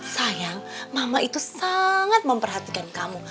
sayang mama itu sangat memperhatikan kamu